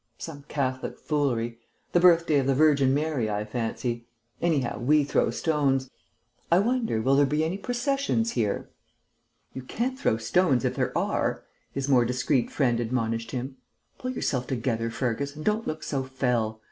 Some Catholic foolery. The birthday of the Virgin Mary, I fancy. Anyhow we throw stones.... I wonder will there be any processions here?" "You can't throw stones if there are," his more discreet friend admonished him. "Pull yourself together, Fergus, and don't look so fell.